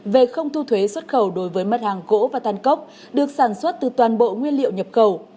về không thu thuế xuất khẩu đối với mất hàng gỗ và tàn cốc được sản xuất từ toàn bộ nguyên liệu nhập khẩu